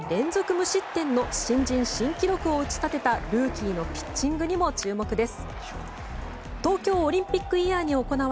無失点の新人記録を打ち立てたルーキーのピッチングにも注目です。